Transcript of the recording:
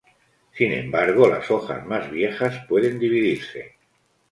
Sin embargo las hojas más viejas pueden dividirse.